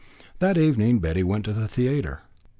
That evening Betty went to the theatre.